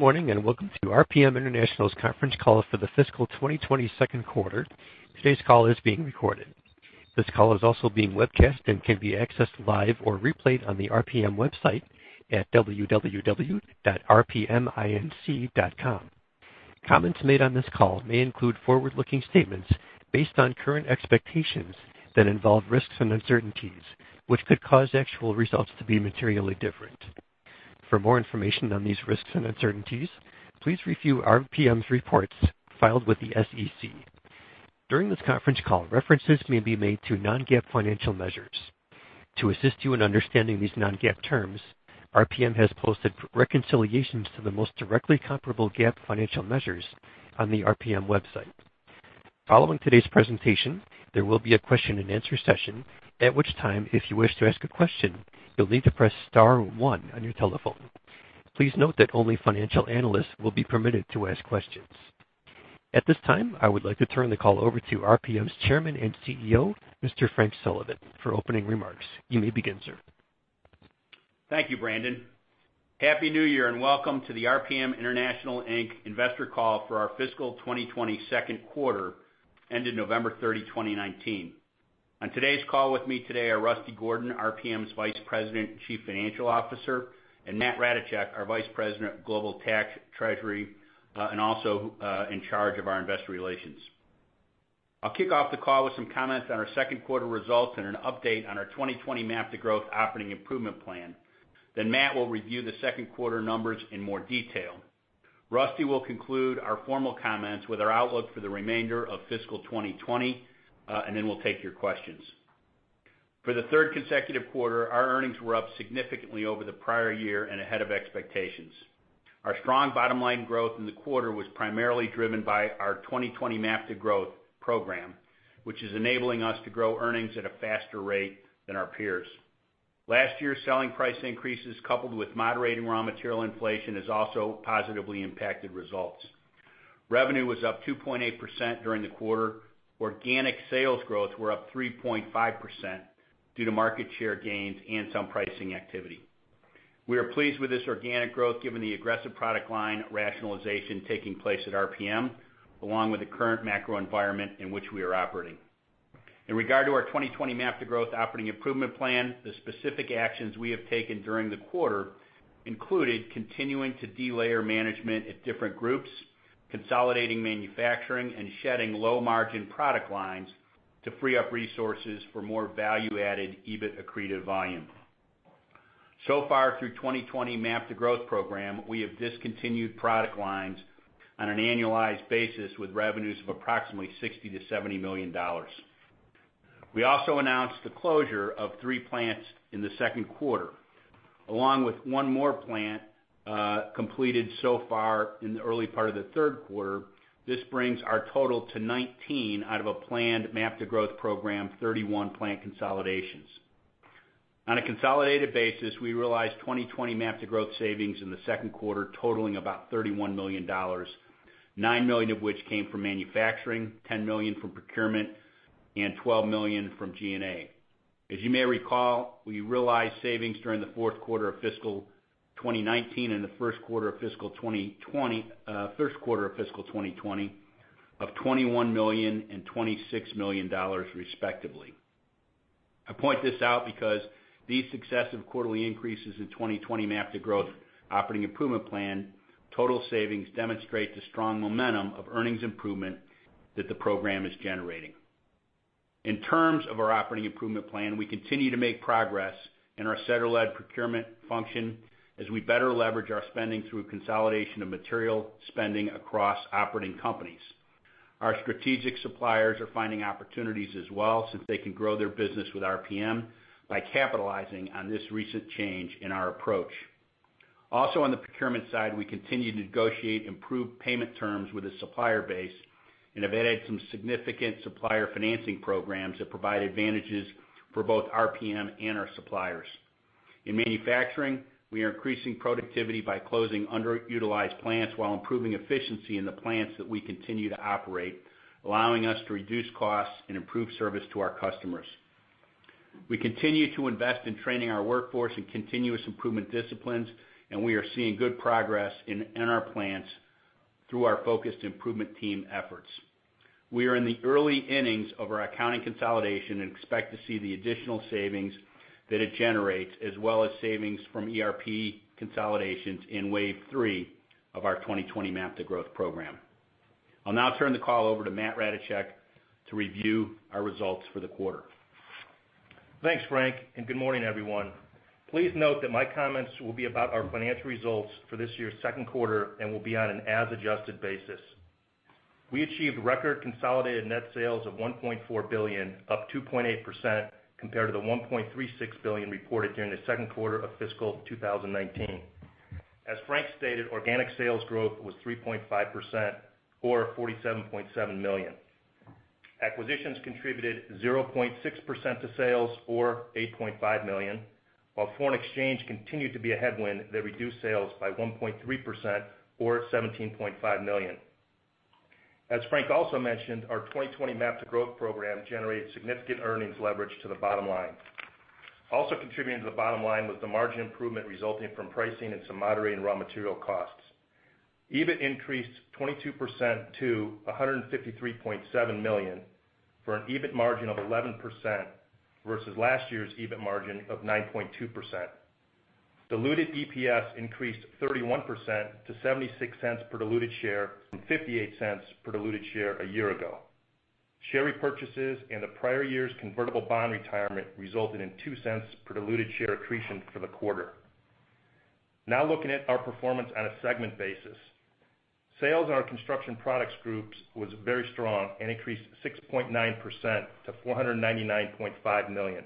Good morning, and welcome to RPM International's conference call for the fiscal 2020 second quarter. Today's call is being recorded. This call is also being webcast and can be accessed live or replayed on the RPM website at www.rpminc.com. Comments made on this call may include forward-looking statements based on current expectations that involve risks and uncertainties, which could cause actual results to be materially different. For more information on these risks and uncertainties, please review RPM's reports filed with the SEC. During this conference call, references may be made to non-GAAP financial measures. To assist you in understanding these non-GAAP terms, RPM has posted reconciliations to the most directly comparable GAAP financial measures on the RPM website. Following today's presentation, there will be a question-and-answer session, at which time, if you wish to ask a question, you'll need to press star one on your telephone. Please note that only financial analysts will be permitted to ask questions. At this time, I would like to turn the call over to RPM's Chairman and CEO, Mr. Frank Sullivan, for opening remarks. You may begin, sir. Thank you, Brandon. Welcome to the RPM International Inc. investor call for our fiscal 2020 second quarter ended November 30, 2019. On today's call with me today are Rusty Gordon, RPM's Vice President and Chief Financial Officer, and Matt Ratajczak, our Vice President of Global Tax, Treasury, and also in charge of our investor relations. I'll kick off the call with some comments on our second quarter results and an update on our 2020 MAP to Growth operating improvement plan. Matt will review the second quarter numbers in more detail. Rusty will conclude our formal comments with our outlook for the remainder of fiscal 2020, and then we'll take your questions. For the third consecutive quarter, our earnings were up significantly over the prior year and ahead of expectations. Our strong bottom line growth in the quarter was primarily driven by our 2020 MAP to Growth program, which is enabling us to grow earnings at a faster rate than our peers. Last year's selling price increases, coupled with moderating raw material inflation, has also positively impacted results. Revenue was up 2.8% during the quarter. Organic sales growth were up 3.5% due to market share gains and some pricing activity. We are pleased with this organic growth given the aggressive product line rationalization taking place at RPM, along with the current macro environment in which we are operating. In regard to our 2020 MAP to Growth operating improvement plan, the specific actions we have taken during the quarter included continuing to de-layer management at different groups, consolidating manufacturing, and shedding low margin product lines to free up resources for more value-added, EBIT-accretive volume. Far through 2020 MAP to Growth program, we have discontinued product lines on an annualized basis with revenues of approximately $60 million-$70 million. We also announced the closure of three plants in the second quarter, along with one more plant completed so far in the early part of the third quarter. This brings our total to 19 out of a planned MAP to Growth program 31 plant consolidations. On a consolidated basis, we realized 2020 MAP to Growth savings in the second quarter totaling about $31 million, $9 million of which came from manufacturing, $10 million from procurement, and $12 million from G&A. As you may recall, we realized savings during the fourth quarter of fiscal 2019 and the first quarter of fiscal 2020 of $21 million and $26 million respectively. I point this out because these successive quarterly increases in 2020 MAP to Growth operating improvement plan total savings demonstrate the strong momentum of earnings improvement that the program is generating. In terms of our operating improvement plan, we continue to make progress in our center-led procurement function as we better leverage our spending through consolidation of material spending across operating companies. Our strategic suppliers are finding opportunities as well, since they can grow their business with RPM by capitalizing on this recent change in our approach. Also on the procurement side, we continue to negotiate improved payment terms with the supplier base and have added some significant supplier financing programs that provide advantages for both RPM and our suppliers. In manufacturing, we are increasing productivity by closing underutilized plants while improving efficiency in the plants that we continue to operate, allowing us to reduce costs and improve service to our customers. We continue to invest in training our workforce in continuous improvement disciplines, and we are seeing good progress in our plants through our focused improvement team efforts. We are in the early innings of our accounting consolidation and expect to see the additional savings that it generates, as well as savings from ERP consolidations in WAVE 3 of our 2020 MAP to Growth program. I'll now turn the call over to Matt Ratajczak to review our results for the quarter. Thanks, Frank, and good morning, everyone. Please note that my comments will be about our financial results for this year's second quarter and will be on an as-adjusted basis. We achieved record consolidated net sales of $1.4 billion, up 2.8%, compared to the $1.36 billion reported during the second quarter of fiscal 2019. As Frank stated, organic sales growth was 3.5%, or $47.7 million. Acquisitions contributed 0.6% to sales, or $8.5 million, while foreign exchange continued to be a headwind that reduced sales by 1.3%, or $17.5 million. As Frank also mentioned, our 2020 MAP to Growth program generated significant earnings leverage to the bottom line. Also contributing to the bottom line was the margin improvement resulting from pricing and some moderating raw material costs. EBIT increased 22% to $153.7 million, for an EBIT margin of 11%, versus last year's EBIT margin of 9.2%. Diluted EPS increased 31% to $0.76 per diluted share from $0.58 per diluted share a year ago. Share repurchases and the prior year's convertible bond retirement resulted in $0.02 per diluted share accretion for the quarter. Now looking at our performance on a segment basis. Sales in our Construction Products Group was very strong and increased 6.9% to $499.5 million.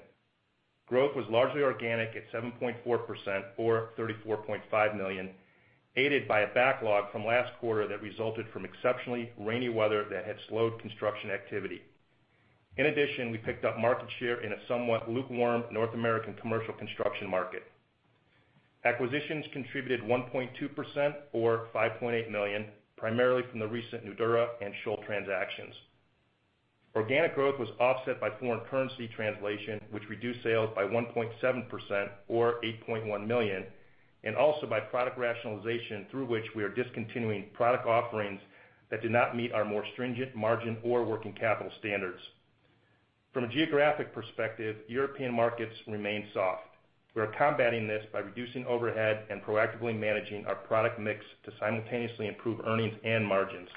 Growth was largely organic at 7.4%, or $34.5 million, aided by a backlog from last quarter that resulted from exceptionally rainy weather that had slowed construction activity. In addition, we picked up market share in a somewhat lukewarm North American commercial construction market. Acquisitions contributed 1.2%, or $5.8 million, primarily from the recent Nudura and Schul transactions. Organic growth was offset by foreign currency translation, which reduced sales by 1.7%, or $8.1 million, and also by product rationalization, through which we are discontinuing product offerings that did not meet our more stringent margin or working capital standards. From a geographic perspective, European markets remain soft. We are combating this by reducing overhead and proactively managing our product mix to simultaneously improve earnings and margins.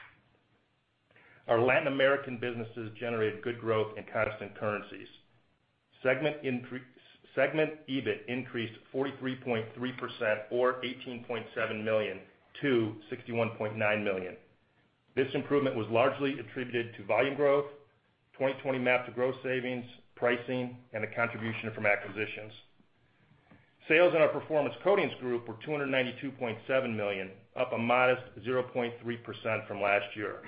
Our Latin American businesses generated good growth in constant currencies. Segment EBIT increased 43.3%, or $18.7 million-$61.9 million. This improvement was largely attributed to volume growth, 2020 MAP to Growth savings, pricing, and the contribution from acquisitions. Sales in our Performance Coatings Group were $292.7 million, up a modest 0.3% from last year.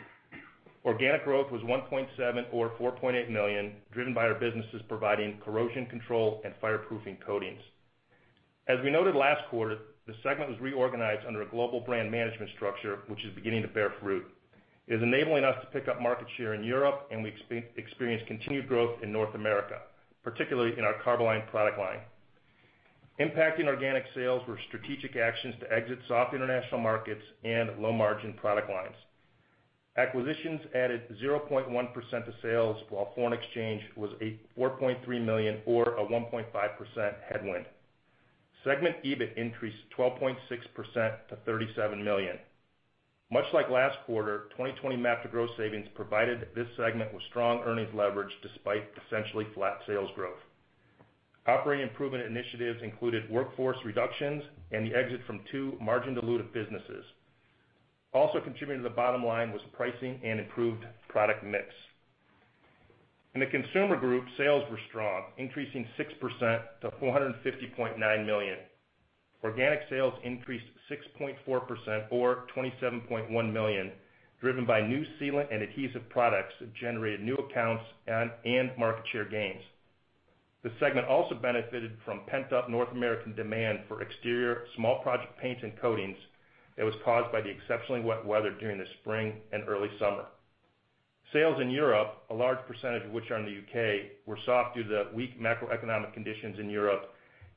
Organic growth was 1.7% or $4.8 million, driven by our businesses providing corrosion control and fireproofing coatings. As we noted last quarter, the segment was reorganized under a global brand management structure, which is beginning to bear fruit. It is enabling us to pick up market share in Europe, and we experienced continued growth in North America, particularly in our Carboline product line. Impacting organic sales were strategic actions to exit soft international markets and low-margin product lines. Acquisitions added 0.1% to sales, while foreign exchange was a $4.3 million or a 1.5% headwind. Segment EBIT increased 12.6% to $37 million. Much like last quarter, 2020 MAP to Growth savings provided this segment with strong earnings leverage despite essentially flat sales growth. Operating improvement initiatives included workforce reductions and the exit from two margin-dilutive businesses. Also contributing to the bottom line was pricing and improved product mix. In the Consumer Group, sales were strong, increasing 6% to $450.9 million. Organic sales increased 6.4%, or $27.1 million, driven by new sealant and adhesive products that generated new accounts and market share gains. This segment also benefited from pent-up North American demand for exterior small project paints and coatings that was caused by the exceptionally wet weather during the spring and early summer. Sales in Europe, a large percentage of which are in the U.K., were soft due to the weak macroeconomic conditions in Europe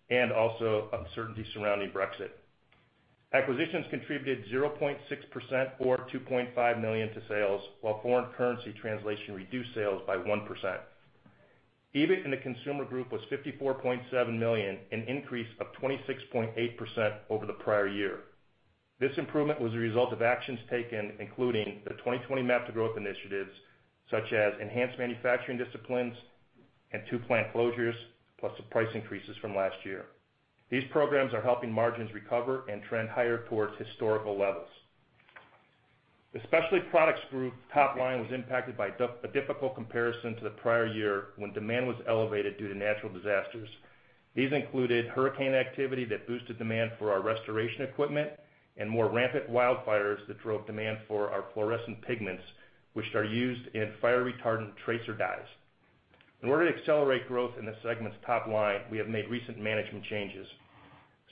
and also uncertainty surrounding Brexit. Acquisitions contributed 0.6%, or $2.5 million to sales, while foreign currency translation reduced sales by 1%. EBIT in the Consumer Group was $54.7 million, an increase of 26.8% over the prior year. This improvement was a result of actions taken, including the 2020 MAP to Growth initiatives, such as enhanced manufacturing disciplines and two plant closures, plus the price increases from last year. These programs are helping margins recover and trend higher towards historical levels. The Specialty Products Group top line was impacted by a difficult comparison to the prior year, when demand was elevated due to natural disasters. These included hurricane activity that boosted demand for our restoration equipment and more rampant wildfires that drove demand for our fluorescent pigments, which are used in fire retardant tracer dyes. In order to accelerate growth in the segment's top line, we have made recent management changes.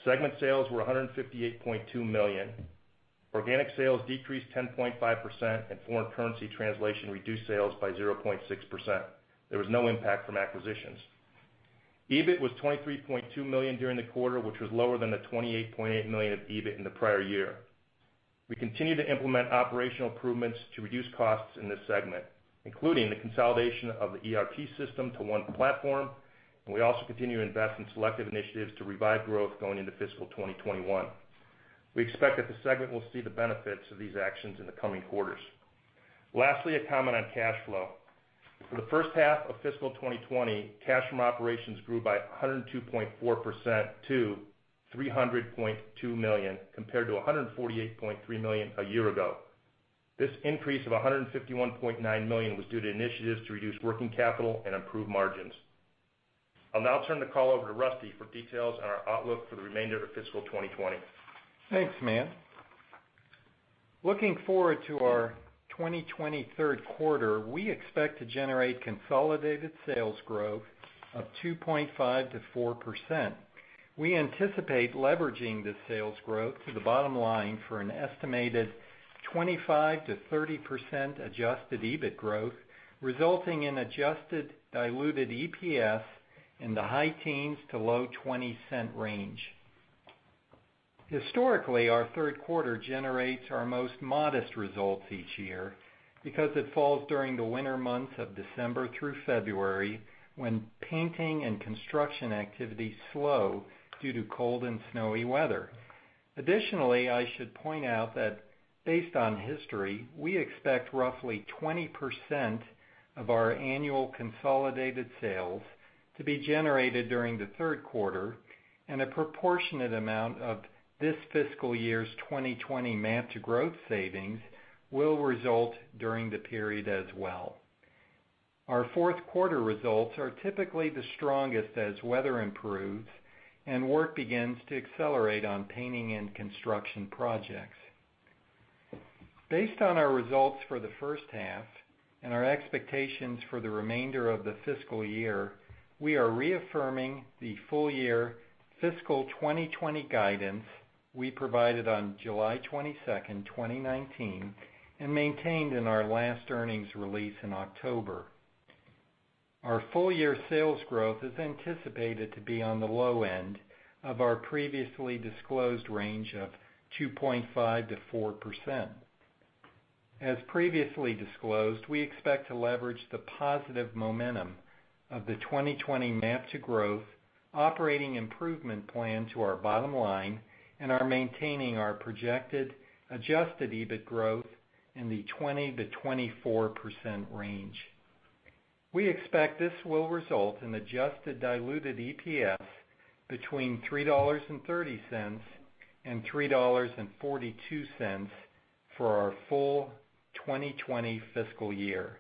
Segment sales were $158.2 million. Organic sales decreased 10.5%, and foreign currency translation reduced sales by 0.6%. There was no impact from acquisitions. EBIT was $23.2 million during the quarter, which was lower than the $28.8 million of EBIT in the prior year. We continue to implement operational improvements to reduce costs in this segment, including the consolidation of the ERP system to one platform. We also continue to invest in selective initiatives to revive growth going into fiscal 2021. We expect that the segment will see the benefits of these actions in the coming quarters. Lastly, a comment on cash flow. For the first half of fiscal 2020, cash from operations grew by 102.4% to $300.2 million, compared to $148.3 million a year ago. This increase of $151.9 million was due to initiatives to reduce working capital and improve margins. I'll now turn the call over to Rusty for details on our outlook for the remainder of fiscal 2020. Thanks, Matt. Looking forward to our 2020 third quarter, we expect to generate consolidated sales growth of 2.5%-4%. We anticipate leveraging this sales growth to the bottom line for an estimated 25%-30% adjusted EBIT growth, resulting in adjusted diluted EPS in the high teens to low $0.20 range. Historically, our third quarter generates our most modest results each year because it falls during the winter months of December through February, when painting and construction activity slow due to cold and snowy weather. Additionally, I should point out that based on history, we expect roughly 20% of our annual consolidated sales to be generated during the third quarter, and a proportionate amount of this fiscal year's 2020 MAP to Growth savings will result during the period as well. Our fourth quarter results are typically the strongest as weather improves and work begins to accelerate on painting and construction projects. Based on our results for the first half and our expectations for the remainder of the fiscal year, we are reaffirming the full year fiscal 2020 guidance we provided on July 22nd, 2019, and maintained in our last earnings release in October. Our full year sales growth is anticipated to be on the low end of our previously disclosed range of 2.5%-4%. As previously disclosed, we expect to leverage the positive momentum of the 2020 MAP to Growth operating improvement plan to our bottom line and are maintaining our projected adjusted EBIT growth in the 20%-24% range. We expect this will result in adjusted diluted EPS between $3.30 and $3.42 for our full 2020 fiscal year.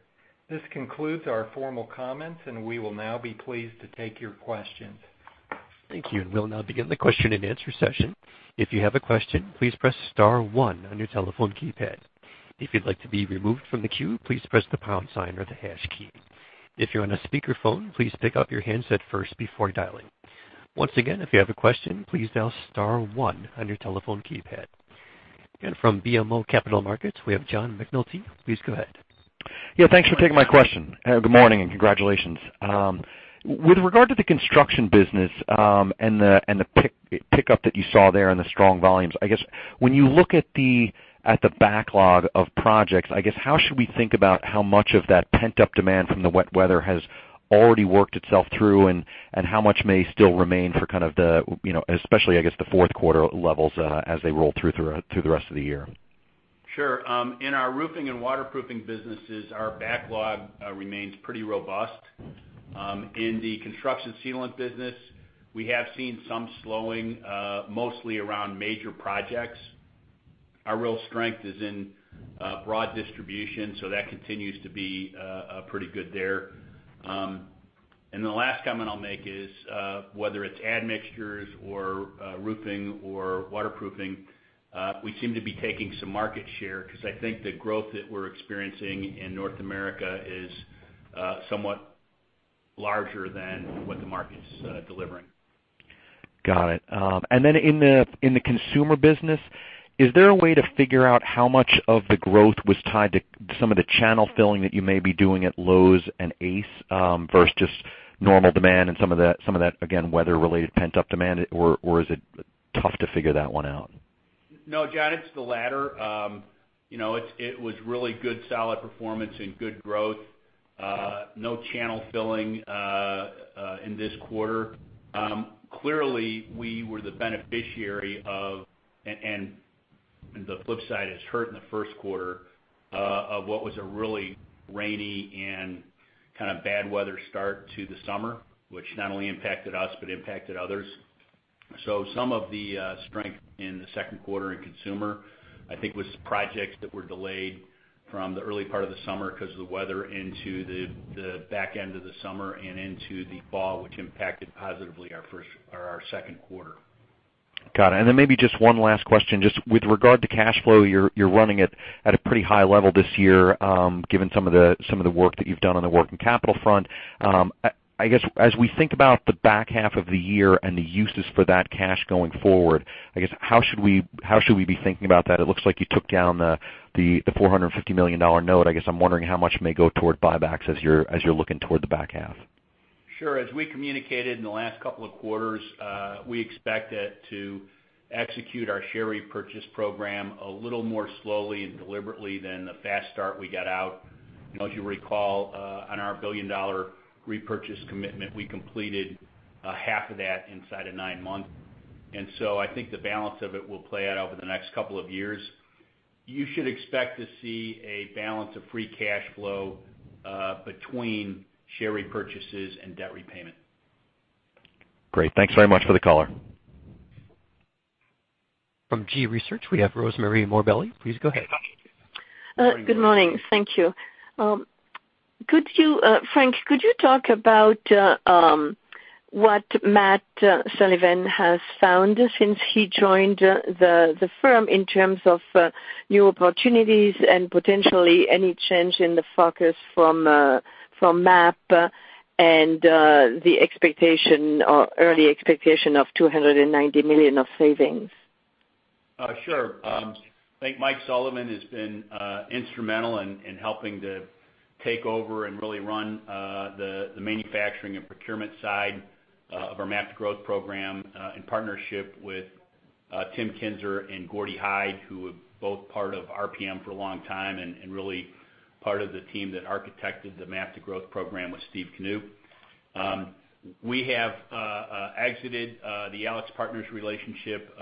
This concludes our formal comments, and we will now be pleased to take your questions. Thank you. We'll now begin the question-and-answer session. If you have a question, please press star one on your telephone keypad. If you'd like to be removed from the queue, please press the pound sign or the hash key. If you're on a speakerphone, please pick up your handset first before dialing. Once again, if you have a question, please dial star one on your telephone keypad. From BMO Capital Markets, we have John McNulty. Please go ahead. Yeah, thanks for taking my question. Good morning, and congratulations. With regard to the Construction business and the pickup that you saw there and the strong volumes, I guess when you look at the backlog of projects, I guess how should we think about how much of that pent-up demand from the wet weather has already worked itself through, and how much may still remain for kind of the, especially, I guess, the fourth quarter levels as they roll through the rest of the year? Sure. In our roofing and waterproofing businesses, our backlog remains pretty robust. In the Construction sealant business, we have seen some slowing, mostly around major projects. Our real strength is in broad distribution, that continues to be pretty good there. The last comment I'll make is, whether it's admixtures or roofing or waterproofing, we seem to be taking some market share, because I think the growth that we're experiencing in North America is somewhat larger than what the market's delivering. Got it. Then in the Consumer business, is there a way to figure out how much of the growth was tied to some of the channel filling that you may be doing at Lowe's and Ace versus just normal demand and some of that, again, weather-related pent-up demand? Or is it tough to figure that one out? No, John, it's the latter. It was really good, solid performance and good growth. No channel filling in this quarter. Clearly, we were the beneficiary of, and the flip side is hurt in the first quarter, of what was a really rainy and kind of bad weather start to the summer, which not only impacted us but impacted others. Some of the strength in the second quarter in Consumer, I think, was projects that were delayed from the early part of the summer because of the weather into the back end of the summer and into the fall, which impacted positively our second quarter. Got it. Maybe just one last question, just with regard to cash flow, you're running it at a pretty high level this year, given some of the work that you've done on the working capital front. I guess, as we think about the back half of the year and the uses for that cash going forward, I guess, how should we be thinking about that? It looks like you took down the $450 million note. I guess I'm wondering how much may go toward buybacks as you're looking toward the back half. Sure. As we communicated in the last couple of quarters, we expect to execute our share repurchase program a little more slowly and deliberately than the fast start we got out. As you recall, on our billion-dollar repurchase commitment, we completed half of that inside of nine months. I think the balance of it will play out over the next couple of years. You should expect to see a balance of free cash flow between share repurchases and debt repayment. Great. Thanks very much for the color. From G.research, we have Rosemarie Morbelli. Please go ahead. Good morning. Thank you. Frank, could you talk about what Mike Sullivan has found since he joined the firm in terms of new opportunities and potentially any change in the focus from MAP and the early expectation of $290 million of savings? Sure. I think Mike Sullivan has been instrumental in helping to take over and really run the manufacturing and procurement side of our MAP to Growth program in partnership with Tim Kinser and Gordy Hyde, who were both part of RPM for a long time and really part of the team that architected the MAP to Growth program with Steve Knoop. We have exited the AlixPartners relationship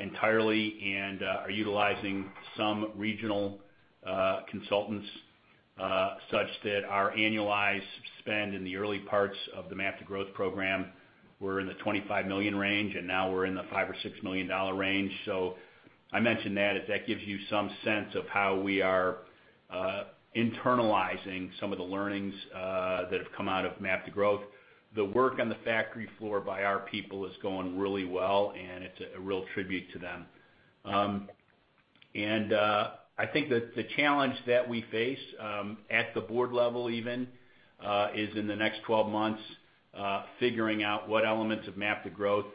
entirely and are utilizing some regional consultants such that our annualized spend in the early parts of the MAP to Growth program were in the $25 million range. Now we're in the $5 million or $6 million range. I mention that, if that gives you some sense of how we are internalizing some of the learnings that have come out of MAP to Growth. The work on the factory floor by our people is going really well, and it's a real tribute to them. I think that the challenge that we face at the board level even is in the next 12 months figuring out what elements of MAP to Growth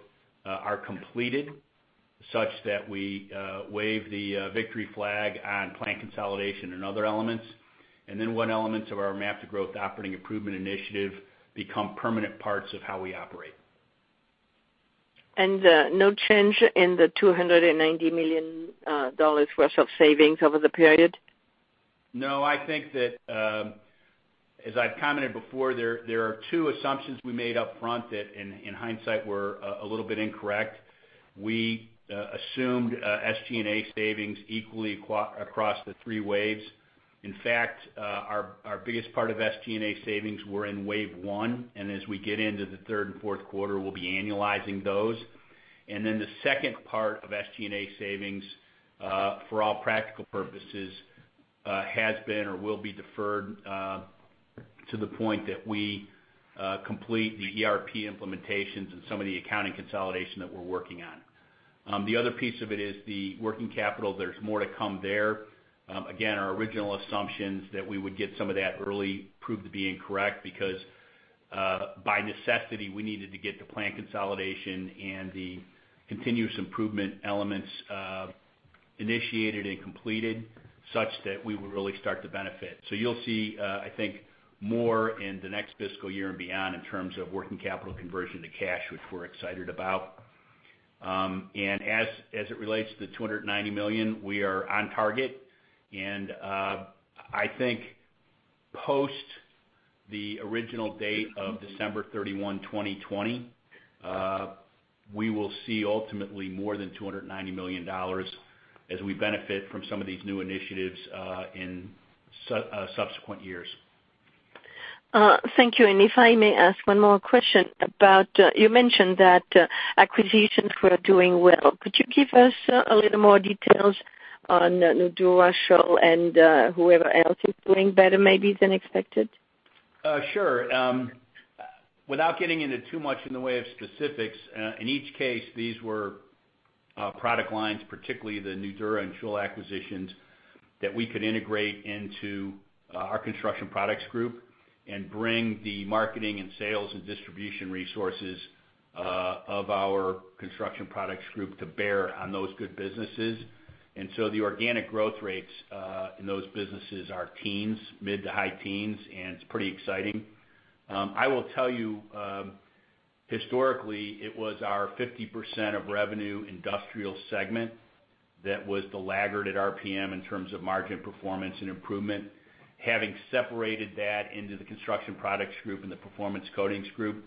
are completed such that we wave the victory flag on plant consolidation and other elements, and then what elements of our MAP to Growth operating improvement initiative become permanent parts of how we operate. No change in the $290 million worth of savings over the period? No, I think that, as I've commented before, there are two assumptions we made up front that, in hindsight, were a little bit incorrect. We assumed SG&A savings equally across the three WAVES. In fact, our biggest part of SG&A savings were in WAVE 1, and as we get into the third and fourth quarter, we'll be annualizing those. The second part of SG&A savings, for all practical purposes, has been or will be deferred to the point that we complete the ERP implementations and some of the accounting consolidation that we're working on. The other piece of it is the working capital. There's more to come there. Our original assumptions that we would get some of that early proved to be incorrect, because by necessity, we needed to get the plant consolidation and the continuous improvement elements initiated and completed such that we would really start to benefit. You'll see, I think, more in the next fiscal year and beyond in terms of working capital conversion to cash, which we're excited about. As it relates to the $290 million, we are on target. I think post the original date of December 31, 2020, we will see ultimately more than $290 million as we benefit from some of these new initiatives in subsequent years. Thank you. If I may ask one more question about, you mentioned that acquisitions were doing well. Could you give us a little more details on Nudura, Schul, and whoever else is doing better maybe than expected? Sure. Without getting into too much in the way of specifics, in each case, these were product lines, particularly the Nudura and Schul acquisitions, that we could integrate into our Construction Products Group and bring the marketing and sales and distribution resources of our Construction Products Group to bear on those good businesses. The organic growth rates in those businesses are teens, mid to high teens, and it's pretty exciting. I will tell you, historically it was our 50% of revenue industrial segment that was the laggard at RPM in terms of margin performance and improvement. Having separated that into the Construction Products Group and the Performance Coatings Group,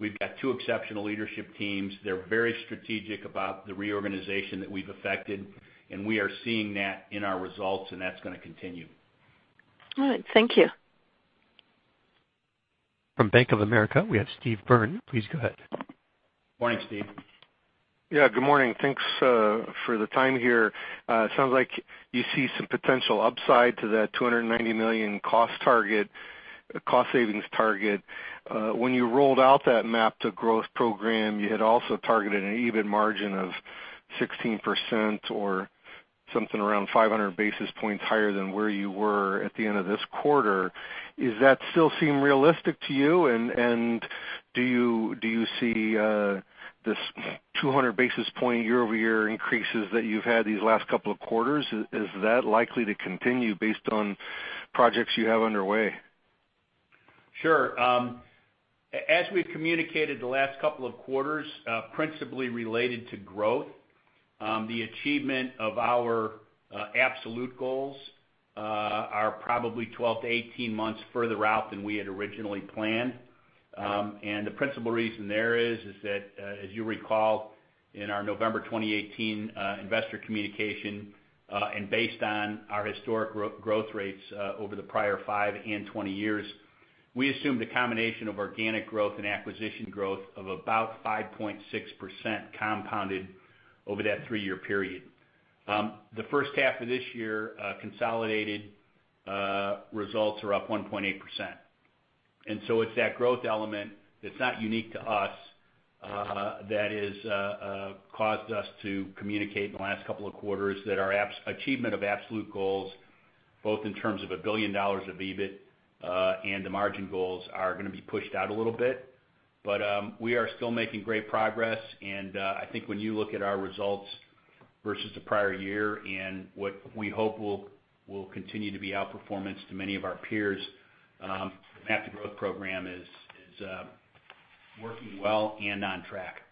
we've got two exceptional leadership teams. They're very strategic about the reorganization that we've affected, and we are seeing that in our results, and that's going to continue. All right. Thank you. From Bank of America, we have Steve Byrne. Please go ahead. Morning, Steve. Yeah, good morning. Thanks for the time here. Sounds like you see some potential upside to that $290 million cost savings target. When you rolled out that MAP to Growth program, you had also targeted an EBIT margin of 16% or something around 500 basis points higher than where you were at the end of this quarter. Does that still seem realistic to you, and do you see this 200 basis point year-over-year increases that you've had these last couple of quarters? Is that likely to continue based on projects you have underway? Sure. As we've communicated the last couple of quarters, principally related to growth, the achievement of our absolute goals are probably 12-18 months further out than we had originally planned. The principal reason there is that, as you recall, in our November 2018 investor communication, and based on our historic growth rates over the prior five and 20 years, we assumed a combination of organic growth and acquisition growth of about 5.6% compounded over that three-year period. The first half of this year, consolidated results are up 1.8%. It's that growth element that's not unique to us that has caused us to communicate in the last couple of quarters that our achievement of absolute goals, both in terms of $1 billion of EBIT and the margin goals, are going to be pushed out a little bit. We are still making great progress, and I think when you look at our results versus the prior year and what we hope will continue to be outperformance to many of our peers, the MAP to Growth program is working well and on track.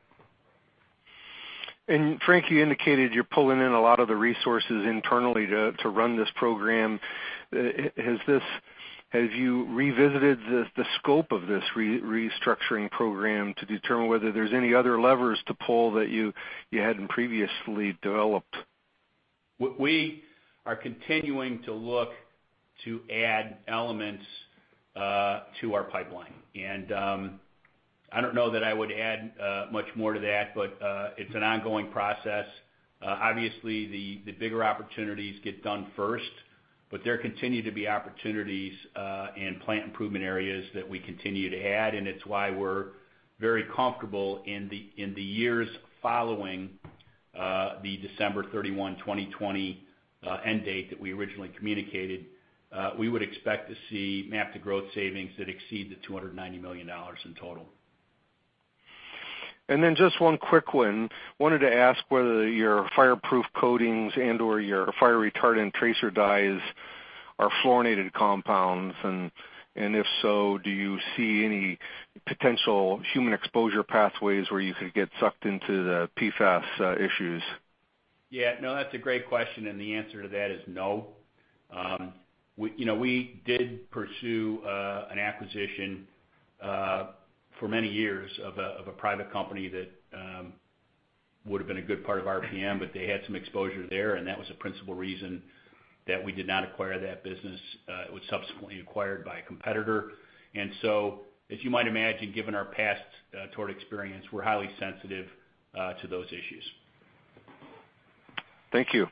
Frank, you indicated you're pulling in a lot of the resources internally to run this program. Have you revisited the scope of this restructuring program to determine whether there's any other levers to pull that you hadn't previously developed? We are continuing to look to add elements to our pipeline. I don't know that I would add much more to that, but it's an ongoing process. Obviously, the bigger opportunities get done first, but there continue to be opportunities and plant improvement areas that we continue to add, and it's why we're very comfortable in the years following the December 31, 2020 end date that we originally communicated. We would expect to see MAP to Growth savings that exceed the $290 million in total. Just one quick one. Wanted to ask whether your fireproof coatings and/or your fire retardant tracer dyes are fluorinated compounds, and if so, do you see any potential human exposure pathways where you could get sucked into the PFAS issues? Yeah, no, that's a great question. The answer to that is no. We did pursue an acquisition for many years of a private company that would've been a good part of RPM, but they had some exposure there, and that was a principal reason that we did not acquire that business. It was subsequently acquired by a competitor. As you might imagine, given our past untoward experience, we're highly sensitive to those issues. Thank you.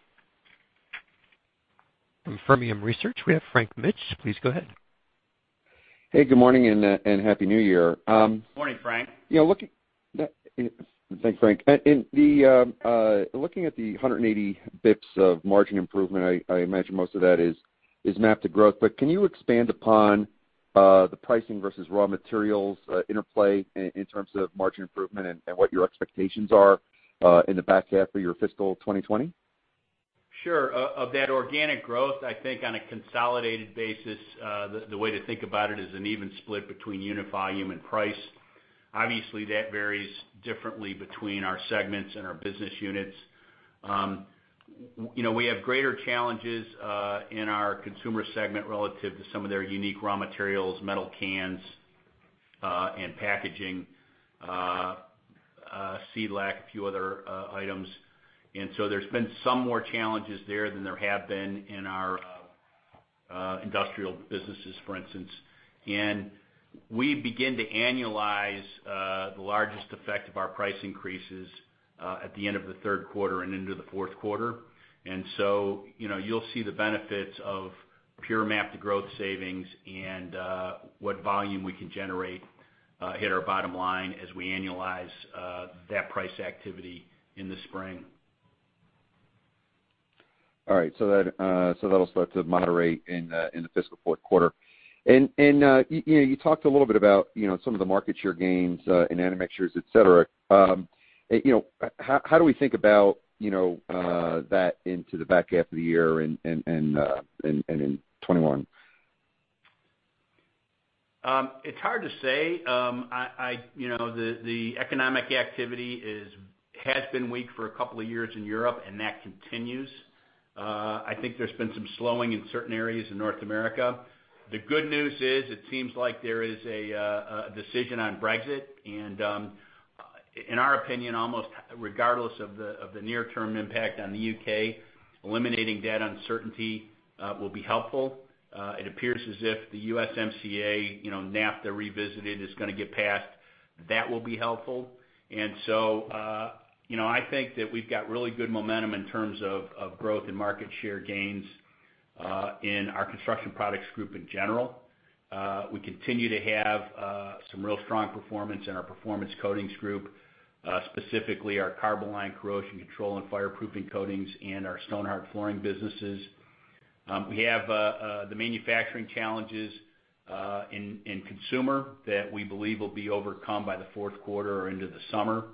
From Fermium Research, we have Frank Mitsch. Please go ahead. Hey, good morning, and happy New Year. Morning, Frank. Thanks, Frank. In looking at the 180 basis points of margin improvement, I imagine most of that is MAP to Growth, can you expand upon the pricing versus raw materials interplay in terms of margin improvement and what your expectations are in the back half of your fiscal 2020? Sure. Of that organic growth, I think on a consolidated basis, the way to think about it is an even split between unit volume and price. Obviously, that varies differently between our segments and our business units. We have greater challenges in our Consumer segment relative to some of their unique raw materials, metal cans and packaging, shellac, a few other items. There's been some more challenges there than there have been in our industrial businesses, for instance. We begin to annualize the largest effect of our price increases at the end of the third quarter and into the fourth quarter. You'll see the benefits of pure MAP to Growth savings and what volume we can generate hit our bottom line as we annualize that price activity in the spring. All right. That'll start to moderate in the fiscal fourth quarter. You talked a little bit about some of the market share gains in admixtures, et cetera. How do we think about that into the back half of the year and in 2021? It's hard to say. The economic activity has been weak for a couple of years in Europe, and that continues. I think there's been some slowing in certain areas in North America. The good news is it seems like there is a decision on Brexit, and in our opinion, almost regardless of the near-term impact on the U.K., eliminating that uncertainty will be helpful. It appears as if the USMCA, NAFTA revisited, is gonna get passed. That will be helpful. I think that we've got really good momentum in terms of growth and market share gains in our Construction Products Group in general. We continue to have some real strong performance in our Performance Coatings Group, specifically our Carboline corrosion control and fireproofing coatings and our Stonhard flooring businesses. We have the manufacturing challenges in Consumer that we believe will be overcome by the fourth quarter or into the summer.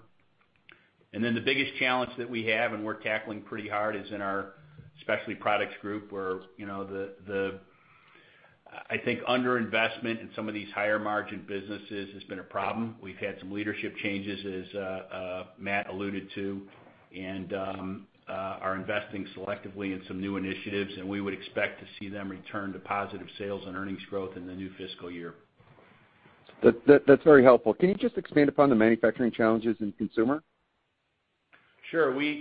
The biggest challenge that we have, and we're tackling pretty hard, is in our Specialty Products Group, where the, I think, under-investment in some of these higher margin businesses has been a problem. We've had some leadership changes, as Matt alluded to, and are investing selectively in some new initiatives, and we would expect to see them return to positive sales and earnings growth in the new fiscal year. That's very helpful. Can you just expand upon the manufacturing challenges in Consumer? Sure. We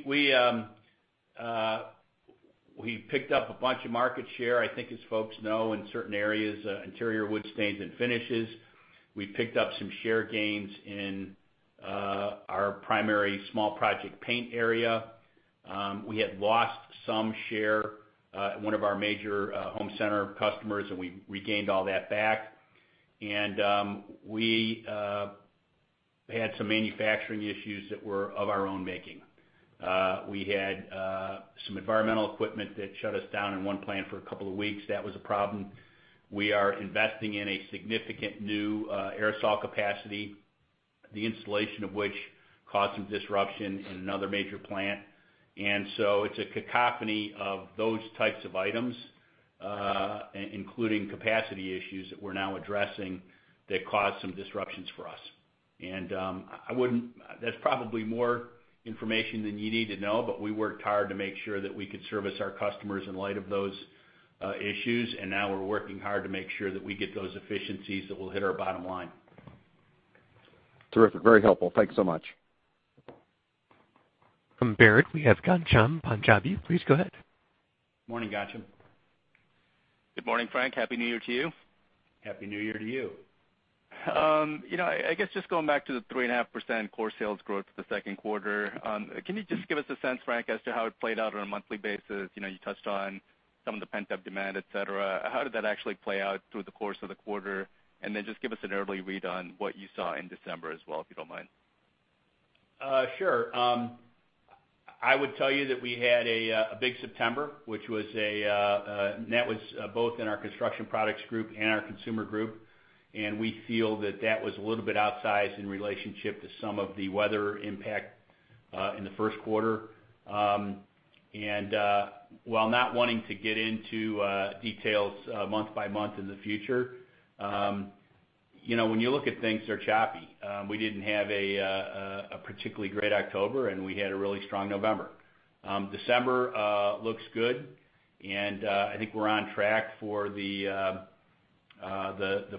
picked up a bunch of market share, I think as folks know, in certain areas, interior wood stains and finishes. We picked up some share gains in our primary small project paint area. We had lost some share at one of our major home center customers, and we regained all that back. We had some manufacturing issues that were of our own making. We had some environmental equipment that shut us down in one plant for a couple of weeks. That was a problem. We are investing in a significant new aerosol capacity, the installation of which caused some disruption in another major plant. It's a cacophony of those types of items, including capacity issues that we're now addressing that caused some disruptions for us. That's probably more information than you need to know, but we worked hard to make sure that we could service our customers in light of those issues. Now we're working hard to make sure that we get those efficiencies that will hit our bottom line. Terrific. Very helpful. Thank you so much. From Baird, we have Ghansham Panjabi. Please go ahead. Morning, Ghansham. Good morning, Frank. Happy New Year to you. Happy New Year to you. I guess just going back to the 3.5% core sales growth for the second quarter. Can you just give us a sense, Frank, as to how it played out on a monthly basis? You touched on some of the pent-up demand, et cetera. How did that actually play out through the course of the quarter? Just give us an early read on what you saw in December as well, if you don't mind. Sure. I would tell you that we had a big September. That was both in our Construction Products Group and our Consumer Group, and we feel that that was a little bit outsized in relationship to some of the weather impact in the first quarter. While not wanting to get into details month by month in the future, when you look at things, they're choppy. We didn't have a particularly great October, and we had a really strong November. December looks good, and I think we're on track for the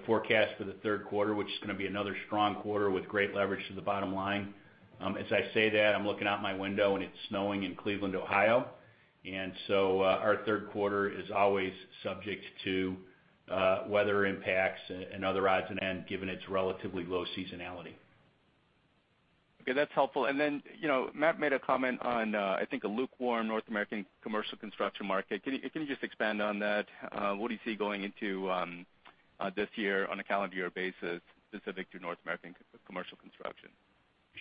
forecast for the third quarter, which is going to be another strong quarter with great leverage to the bottom line. As I say that, I'm looking out my window, it's snowing in Cleveland, Ohio. Our third quarter is always subject to weather impacts and other odds and ends, given its relatively low seasonality. Okay, that's helpful. Matt made a comment on, I think, a lukewarm North American commercial construction market. Can you just expand on that? What do you see going into this year on a calendar year basis specific to North American commercial construction?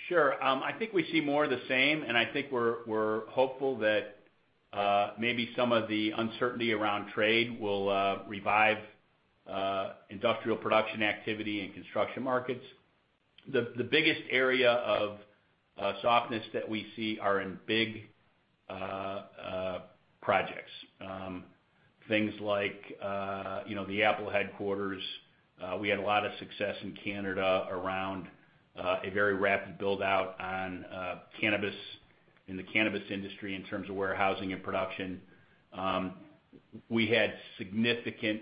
Sure. I think we see more of the same, and I think we're hopeful that maybe some of the uncertainty around trade will revive industrial production activity in construction markets. The biggest area of softness that we see are in big projects. Things like the Apple headquarters. We had a lot of success in Canada around a very rapid build-out on cannabis, in the cannabis industry in terms of warehousing and production. We had significant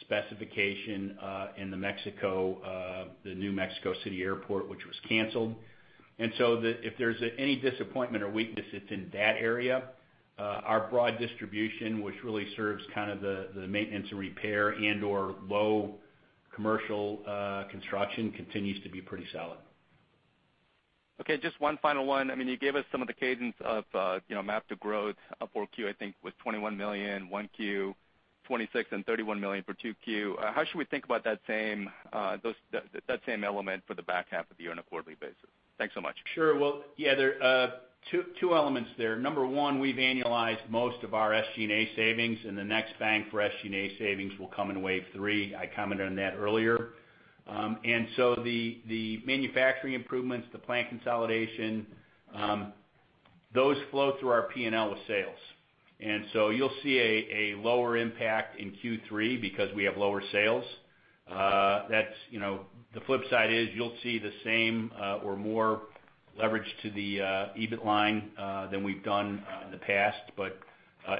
specification in the New Mexico City Airport, which was canceled. If there's any disappointment or weakness, it's in that area. Our broad distribution, which really serves kind of the maintenance and repair and/or low commercial construction, continues to be pretty solid. Okay, just one final one. You gave us some of the cadence of MAP to Growth for Q1, I think, with $21 million, 1Q, $26 million and $31 million for Q2. How should we think about that same element for the back half of the year on a quarterly basis? Thanks so much. There are two elements there. Number one, we've annualized most of our SG&A savings, and the next bang for SG&A savings will come in WAVE 3. I commented on that earlier. The manufacturing improvements, the plant consolidation, those flow through our P&L with sales. You'll see a lower impact in Q3 because we have lower sales. The flip side is you'll see the same or more leverage to the EBIT line than we've done in the past, but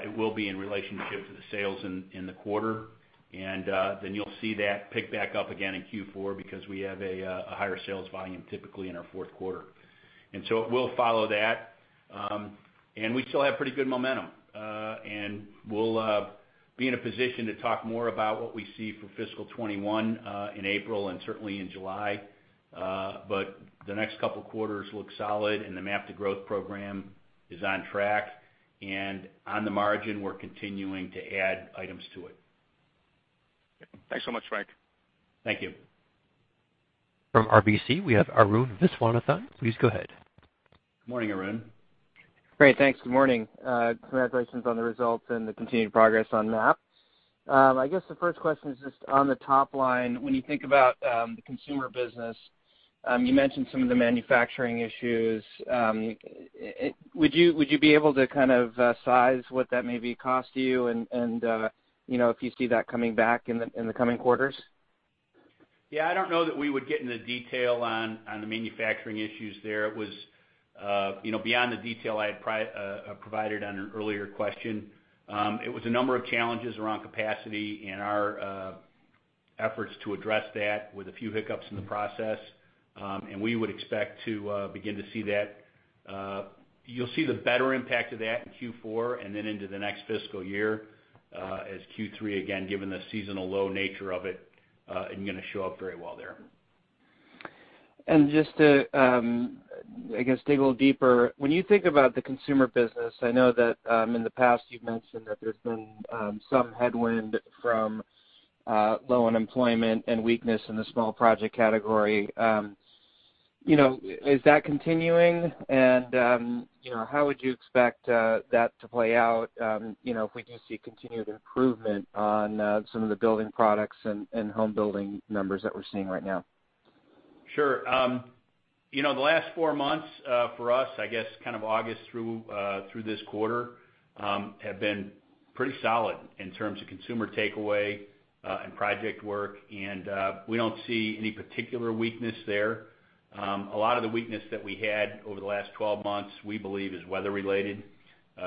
it will be in relationship to the sales in the quarter. You'll see that pick back up again in Q4 because we have a higher sales volume typically in our fourth quarter. It will follow that. We still have pretty good momentum. We'll be in a position to talk more about what we see for fiscal 2021 in April and certainly in July. The next couple of quarters look solid, and the MAP to Growth program is on track. On the margin, we're continuing to add items to it. Thanks so much, Frank. Thank you. From RBC, we have Arun Viswanathan. Please go ahead. Morning, Arun. Great. Thanks. Good morning. Congratulations on the results and the continued progress on MAP to Growth. I guess the first question is just on the top line. When you think about the Consumer Group, you mentioned some of the manufacturing issues. Would you be able to kind of size what that maybe cost you and if you see that coming back in the coming quarters? Yeah, I don't know that we would get into detail on the manufacturing issues there. It was beyond the detail I had provided on an earlier question. It was a number of challenges around capacity and our efforts to address that with a few hiccups in the process. You'll see the better impact of that in Q4 and then into the next fiscal year as Q3, again, given the seasonal low nature of it, isn't going to show up very well there. Just to, I guess, dig a little deeper. When you think about the Consumer business, I know that in the past you've mentioned that there's been some headwind from low unemployment and weakness in the small project category. Is that continuing? How would you expect that to play out if we do see continued improvement on some of the building products and home building numbers that we're seeing right now? Sure. The last four months for us, I guess, kind of August through this quarter, have been pretty solid in terms of consumer takeaway and project work. We don't see any particular weakness there. A lot of the weakness that we had over the last 12 months, we believe is weather related,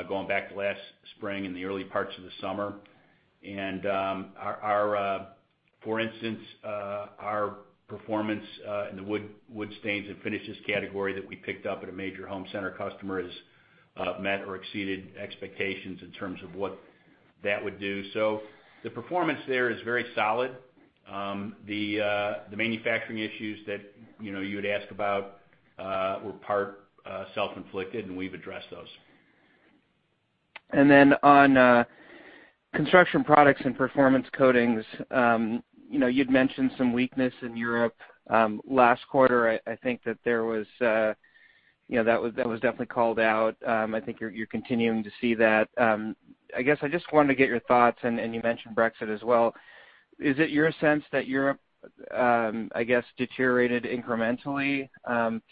going back to last spring and the early parts of the summer. For instance, our performance in the wood stains and finishes category that we picked up at a major home center customer has met or exceeded expectations in terms of what that would do. The performance there is very solid. The manufacturing issues that you had asked about were part self-inflicted, and we've addressed those. On Construction Products and Performance Coatings, you'd mentioned some weakness in Europe. Last quarter, I think that was definitely called out. I think you're continuing to see that. I guess I just wanted to get your thoughts, and you mentioned Brexit as well. Is it your sense that Europe, I guess, deteriorated incrementally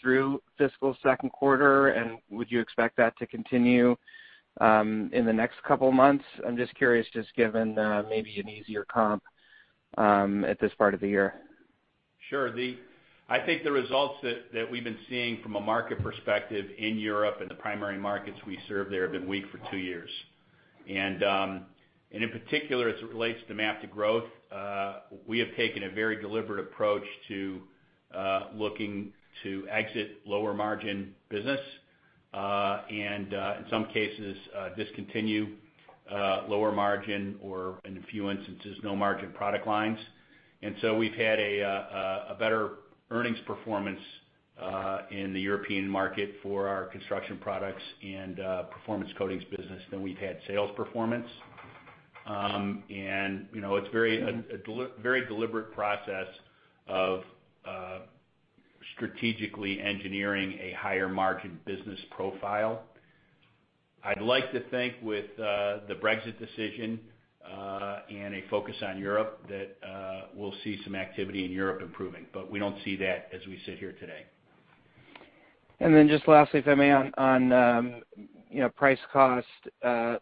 through fiscal second quarter? Would you expect that to continue in the next couple of months? I'm just curious, just given maybe an easier comp at this part of the year. Sure. I think the results that we've been seeing from a market perspective in Europe and the primary markets we serve there have been weak for two years. In particular, as it relates to MAP to Growth, we have taken a very deliberate approach to looking to exit lower margin business. In some cases discontinue lower margin or, in a few instances, no margin product lines. We've had a better earnings performance in the European market for our Construction Products and Performance Coatings business than we've had sales performance. It's a very deliberate process of strategically engineering a higher margin business profile. I'd like to think with the Brexit decision and a focus on Europe, that we'll see some activity in Europe improving, but we don't see that as we sit here today. Just lastly, if I may, on price cost.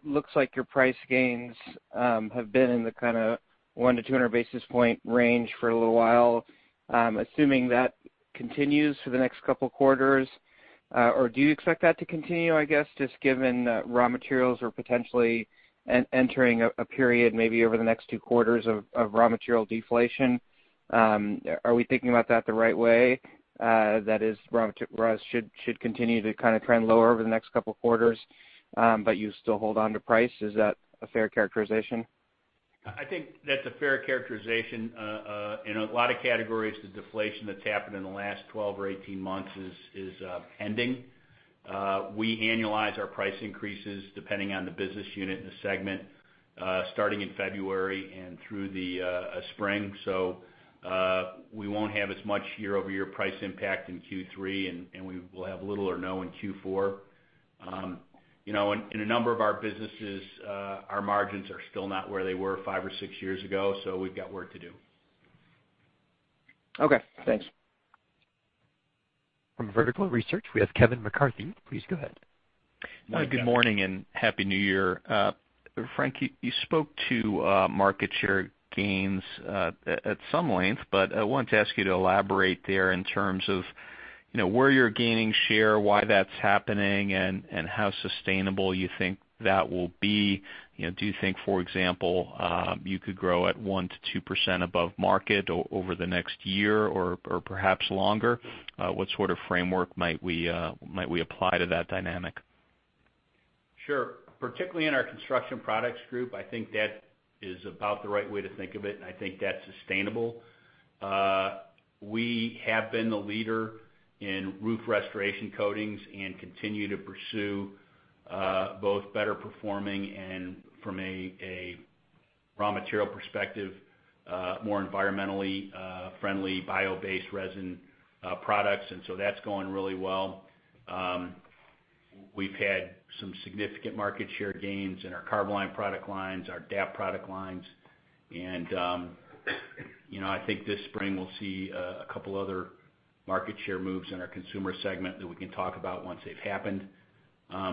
Looks like your price gains have been in the kind of one to 200 basis point range for a little while. Assuming that continues for the next couple of quarters, or do you expect that to continue, I guess, just given raw materials are potentially entering a period maybe over the next two quarters of raw material deflation? Are we thinking about that the right way? That is, raw should continue to kind of trend lower over the next couple of quarters, but you still hold on to price. Is that a fair characterization? I think that's a fair characterization. In a lot of categories, the deflation that's happened in the last 12 or 18 months is pending. We annualize our price increases depending on the business unit and the segment, starting in February and through the spring. We won't have as much year-over-year price impact in Q3, and we will have little or no in Q4. In a number of our businesses, our margins are still not where they were five or six years ago, so we've got work to do. Okay, thanks. From Vertical Research, we have Kevin McCarthy. Please go ahead. Good morning and happy New Year. Frank, you spoke to market share gains at some length. I wanted to ask you to elaborate there in terms of where you're gaining share, why that's happening, and how sustainable you think that will be. Do you think, for example, you could grow at 1%-2% above market over the next year or perhaps longer? What sort of framework might we apply to that dynamic? Sure. Particularly in our Construction Products Group, I think that is about the right way to think of it, and I think that's sustainable. We have been the leader in roof restoration coatings and continue to pursue both better performing and, from a raw material perspective, more environmentally friendly bio-based resin products. That's going really well. We've had some significant market share gains in our Carboline product lines, our DAP product lines, and I think this spring we'll see a couple other market share moves in our Consumer Group that we can talk about once they've happened. I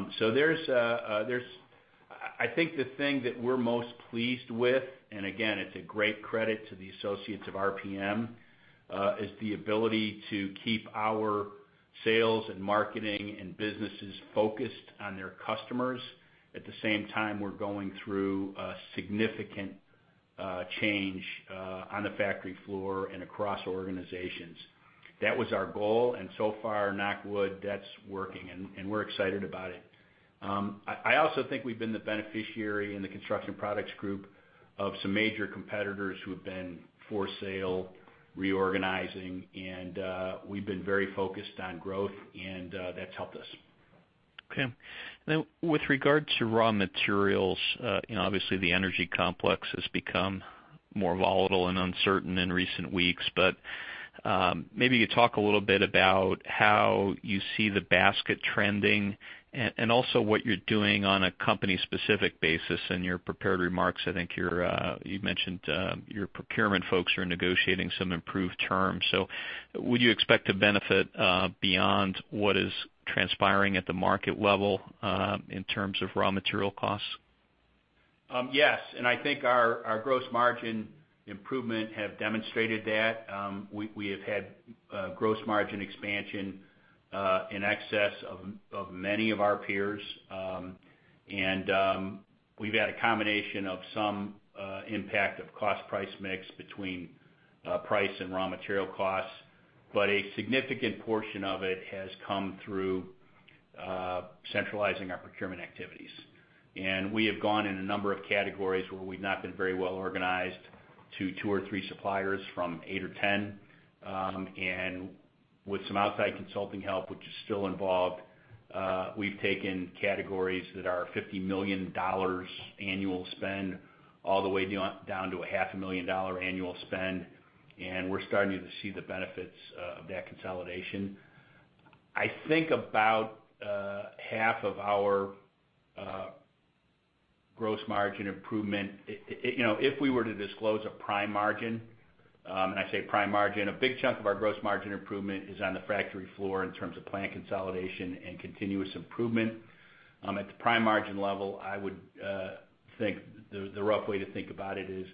think the thing that we're most pleased with, and again, it's a great credit to the associates of RPM, is the ability to keep our sales and marketing and businesses focused on their customers. At the same time, we're going through a significant change on the factory floor and across organizations. That was our goal, and so far, knock wood, that's working and we're excited about it. I also think we've been the beneficiary in the Construction Products Group of some major competitors who have been for sale, reorganizing, and we've been very focused on growth, and that's helped us. Okay. Now with regard to raw materials, obviously the energy complex has become more volatile and uncertain in recent weeks. Maybe you talk a little bit about how you see the basket trending and also what you're doing on a company specific basis in your prepared remarks. I think you mentioned your procurement folks are negotiating some improved terms. Would you expect to benefit beyond what is transpiring at the market level in terms of raw material costs? Yes. I think our gross margin improvement have demonstrated that. We have had gross margin expansion in excess of many of our peers. We've had a combination of some impact of cost price mix between price and raw material costs, but a significant portion of it has come through centralizing our procurement activities. We have gone in a number of categories where we've not been very well organized to two or three suppliers from eight or 10. With some outside consulting help, which is still involved, we've taken categories that are $50 million annual spend all the way down to a half a million dollar annual spend, and we're starting to see the benefits of that consolidation. I think about half of our gross margin improvement, if we were to disclose a prime margin, and I say prime margin, a big chunk of our gross margin improvement is on the factory floor in terms of plant consolidation and continuous improvement. At the prime margin level, I would think the rough way to think about it is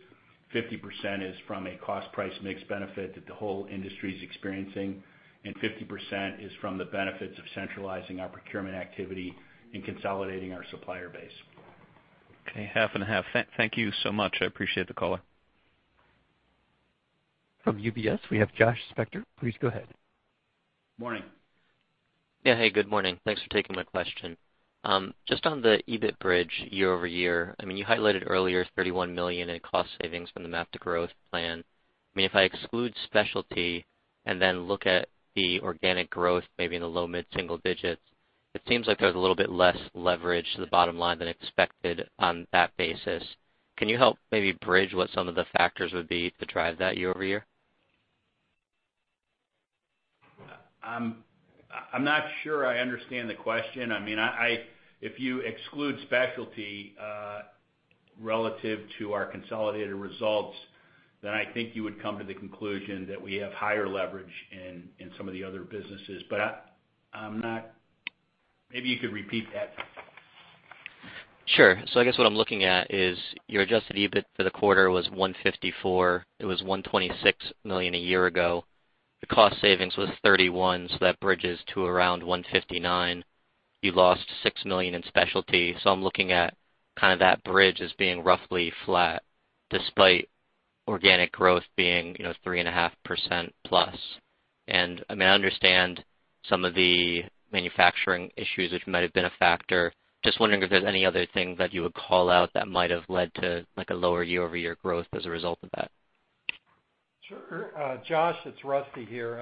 50% is from a cost price mix benefit that the whole industry is experiencing, and 50% is from the benefits of centralizing our procurement activity and consolidating our supplier base. Okay, half and half. Thank you so much. I appreciate the call. From UBS, we have Josh Spector. Please go ahead. Morning. Yeah. Hey, good morning. Thanks for taking my question. Just on the EBIT bridge year-over-year, you highlighted earlier $31 million in cost savings from the MAP to Growth plan. If I exclude specialty and then look at the organic growth, maybe in the low mid-single digits, it seems like there's a little bit less leverage to the bottom line than expected on that basis. Can you help maybe bridge what some of the factors would be to drive that year-over-year? I'm not sure I understand the question. If you exclude specialty, relative to our consolidated results, then I think you would come to the conclusion that we have higher leverage in some of the other businesses. Maybe you could repeat that. I guess what I'm looking at is your adjusted EBIT for the quarter was $154 million. It was $126 million a year ago. The cost savings was $31 million, so that bridges to around $159 million. You lost $6 million in Specialty. I'm looking at that bridge as being roughly flat despite organic growth being 3.5%+. I understand some of the manufacturing issues, which might have been a factor. Just wondering if there's any other thing that you would call out that might have led to a lower year-over-year growth as a result of that. Sure. Josh, it's Rusty here.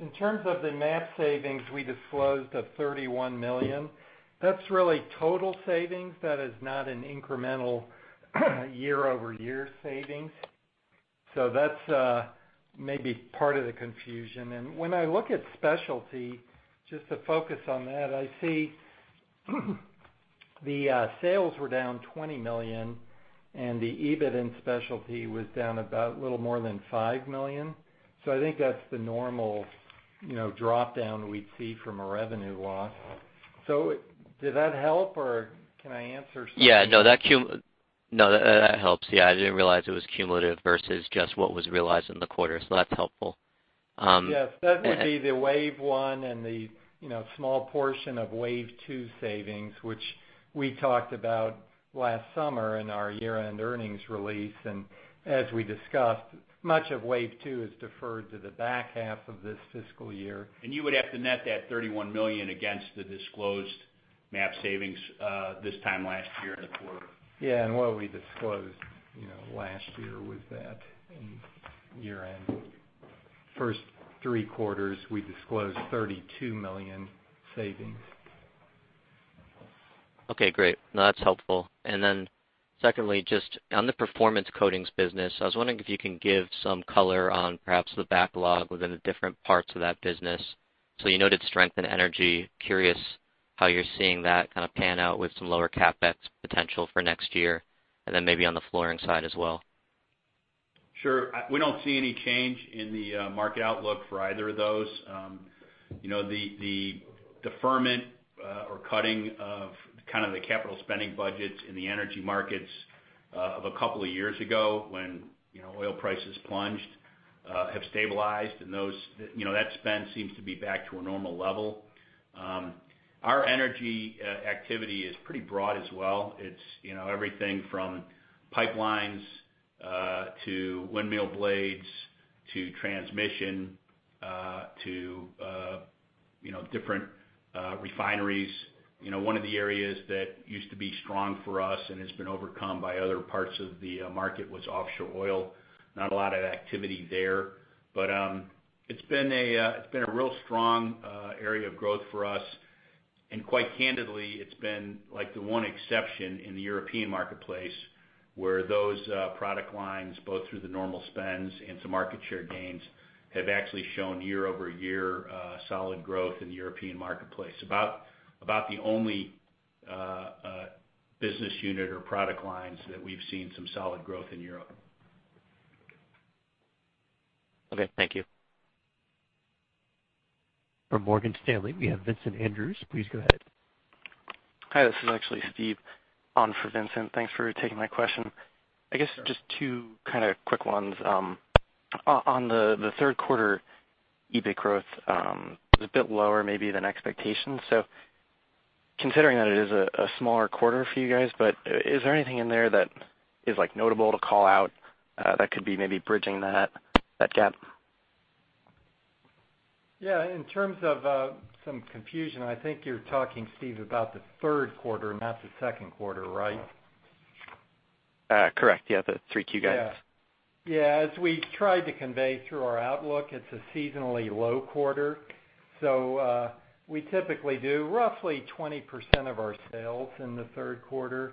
In terms of the MAP savings, we disclosed a $31 million. That's really total savings. That is not an incremental year-over-year savings. That's maybe part of the confusion. When I look at Specialty, just to focus on that, I see the sales were down $20 million and the EBIT in Specialty was down about a little more than $5 million. I think that's the normal drop-down we'd see from a revenue loss. Did that help, or can I answer something? No, that helps. I didn't realize it was cumulative versus just what was realized in the quarter, that's helpful. Yes. That would be the WAVE 1 and the small portion of WAVE 2 savings, which we talked about last summer in our year-end earnings release. As we discussed, much of WAVE 2 is deferred to the back half of this fiscal year. You would have to net that $31 million against the disclosed MAP savings this time last year in the quarter. Yeah. What we disclosed last year was that in year end. First three quarters, we disclosed $32 million savings. Okay, great. No, that's helpful. Secondly, just on the Performance Coatings business, I was wondering if you can give some color on perhaps the backlog within the different parts of that business. You noted strength and energy. Curious how you're seeing that kind of pan out with some lower CapEx potential for next year, maybe on the flooring side as well. Sure. We don't see any change in the market outlook for either of those. The deferment or cutting of kind of the capital spending budgets in the energy markets of a couple of years ago when oil prices plunged, have stabilized, and that spend seems to be back to a normal level. Our energy activity is pretty broad as well. It's everything from pipelines, to windmill blades, to transmission, to different refineries. One of the areas that used to be strong for us and has been overcome by other parts of the market was offshore oil. Not a lot of activity there. It's been a real strong area of growth for us. Quite candidly, it's been like the one exception in the European marketplace where those product lines, both through the normal spends and some market share gains, have actually shown year-over-year solid growth in the European marketplace. About the only business unit or product lines that we've seen some solid growth in Europe. Okay, thank you. From Morgan Stanley, we have Vincent Andrews. Please go ahead. Hi, this is actually Steve on for Vincent. Thanks for taking my question. I guess just two kind of quick ones. On the third quarter, EBIT growth was a bit lower maybe than expectations. Considering that it is a smaller quarter for you guys, but is there anything in there that is notable to call out that could be maybe bridging that gap? Yeah. In terms of some confusion, I think you're talking, Steve, about the third quarter, not the second quarter, right? Correct. Yeah, the 3Q guidance. Yeah. As we tried to convey through our outlook, it's a seasonally low quarter. We typically do roughly 20% of our sales in the third quarter.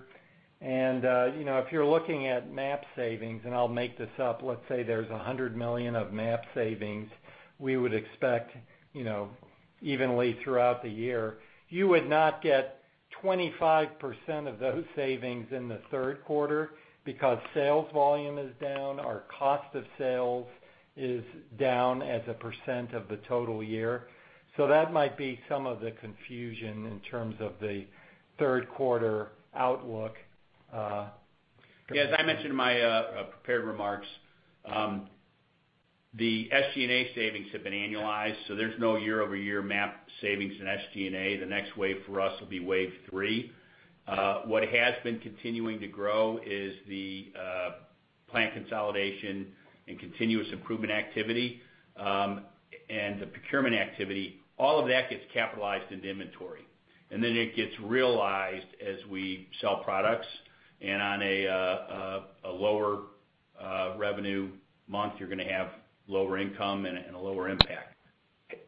If you're looking at MAP savings, and I'll make this up, let's say there's $100 million of MAP savings we would expect evenly throughout the year. You would not get 25% of those savings in the third quarter because sales volume is down, our cost of sales is down as a percent of the total year. That might be some of the confusion in terms of the third quarter outlook. Yeah. As I mentioned in my prepared remarks, the SG&A savings have been annualized, so there's no year-over-year MAP savings in SG&A. The next WAVE for us will be WAVE 3. What has been continuing to grow is the plant consolidation and continuous improvement activity, and the procurement activity. All of that gets capitalized into inventory, and then it gets realized as we sell products. On a lower revenue month, you're going to have lower income and a lower impact.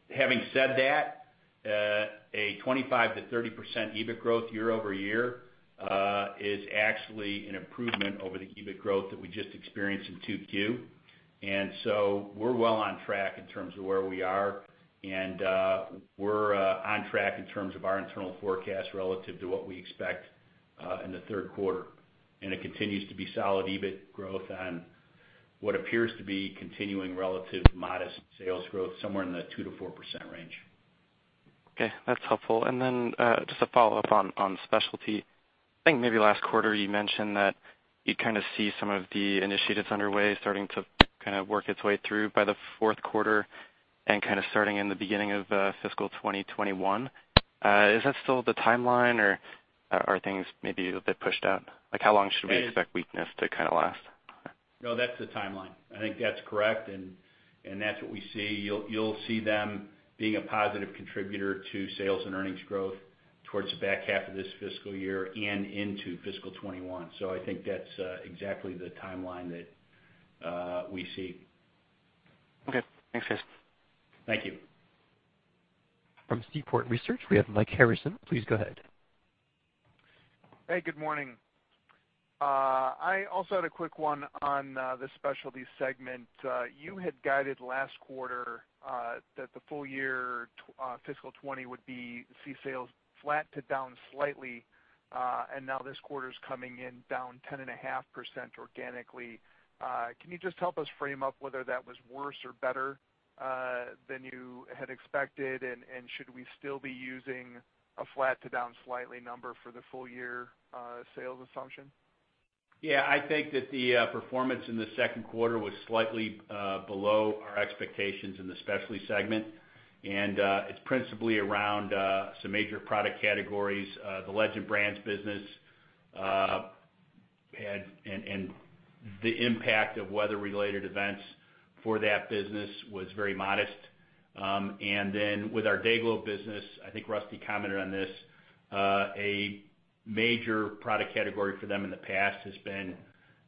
Having said that, a 25%-30% EBIT growth year-over-year is actually an improvement over the EBIT growth that we just experienced in 2Q. We're well on track in terms of where we are, and we're on track in terms of our internal forecast relative to what we expect in the third quarter. It continues to be solid EBIT growth on what appears to be continuing relative modest sales growth, somewhere in the 2%-4% range. Okay, that's helpful. Just a follow-up on Specialty. I think maybe last quarter you mentioned that you kind of see some of the initiatives underway starting to kind of work its way through by the fourth quarter and kind of starting in the beginning of fiscal 2021. Is that still the timeline, or are things maybe a bit pushed out? How long should we expect weakness to kind of last? No, that's the timeline. I think that's correct, and that's what we see. You'll see them being a positive contributor to sales and earnings growth towards the back half of this fiscal year and into fiscal 2021. I think that's exactly the timeline that we see. Okay. Thanks, guys. Thank you. From Seaport Research, we have Mike Harrison. Please go ahead. Hey, good morning. I also had a quick one on the Specialty segment. You had guided last quarter that the full year fiscal 2020 would see sales flat to down slightly, and now this quarter's coming in down 10.5% organically. Can you just help us frame up whether that was worse or better than you had expected? Should we still be using a flat to down slightly number for the full-year sales assumption? Yeah. I think that the performance in the second quarter was slightly below our expectations in the specialty segment. It's principally around some major product categories. The Legend Brands business. The impact of weather-related events for that business was very modest. Then with our DayGlo business, I think Rusty commented on this, a major product category for them in the past has been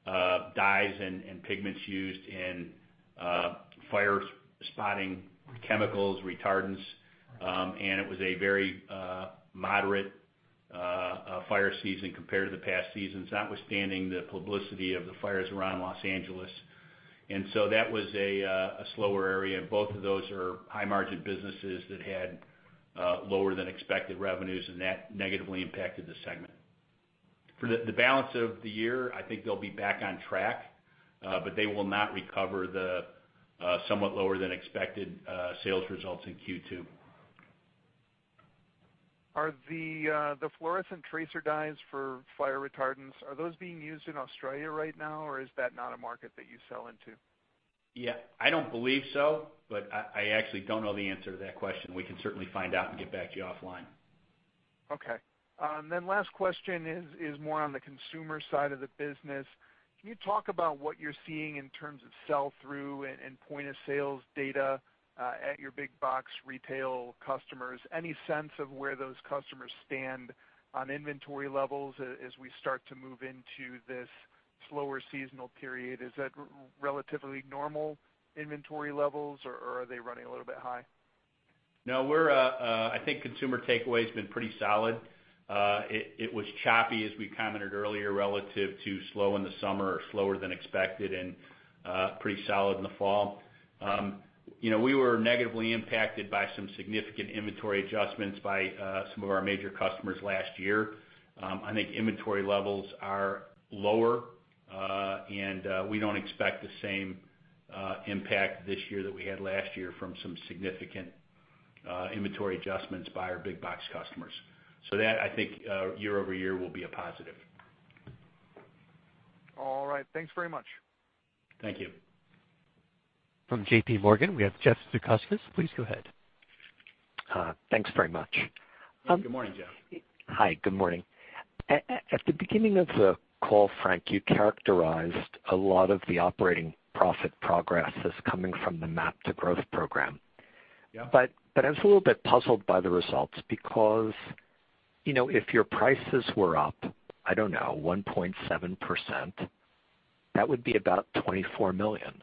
dyes and pigments used in fire-spotting chemicals, retardants. It was a very moderate fire season compared to the past seasons, notwithstanding the publicity of the fires around Los Angeles. That was a slower area. Both of those are high-margin businesses that had lower than expected revenues. That negatively impacted the segment. For the balance of the year, I think they'll be back on track. They will not recover the somewhat lower than expected sales results in Q2. Are the fluorescent tracer dyes for fire retardants, are those being used in Australia right now, or is that not a market that you sell into? Yeah. I don't believe so, but I actually don't know the answer to that question. We can certainly find out and get back to you offline. Okay. Then last question is more on the Consumer side of the business. Can you talk about what you're seeing in terms of sell-through and point-of-sales data at your big box retail customers? Any sense of where those customers stand on inventory levels as we start to move into this slower seasonal period? Is that relatively normal inventory levels, or are they running a little bit high? No, I think Consumer takeaway has been pretty solid. It was choppy, as we commented earlier, relative to slow in the summer or slower than expected and pretty solid in the fall. We were negatively impacted by some significant inventory adjustments by some of our major customers last year. I think inventory levels are lower, and we don't expect the same impact this year that we had last year from some significant inventory adjustments by our big box customers. That, I think, year-over-year will be a positive. All right. Thanks very much. Thank you. From JPMorgan, we have Jeff Zekauskas. Please go ahead. Thanks very much. Good morning, Jeff. Hi, good morning. At the beginning of the call, Frank, you characterized a lot of the operating profit progress as coming from the MAP to Growth program. Yeah. I was a little bit puzzled by the results because if your prices were up, I don't know, 1.7%, that would be about $24 million.